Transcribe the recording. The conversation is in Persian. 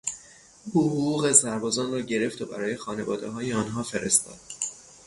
او حقوق سربازان را گرفت و برای خانوادههای آنها فرستاد.